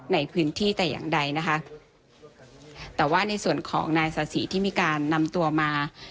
ในพื้นที่แต่อย่างใดนะคะแต่ว่าในส่วนของนายสาศรีที่มีการนำตัวมา